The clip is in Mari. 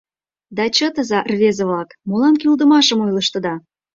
— Да чытыза, рвезе-влак, молан кӱлдымашым ойлыштыда!..